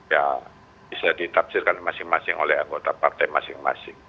ya bisa ditafsirkan masing masing oleh anggota partai masing masing